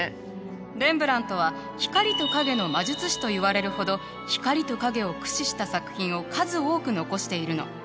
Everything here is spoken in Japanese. レンブラントは光と影の魔術師といわれるほど光と影を駆使した作品を数多く残しているの。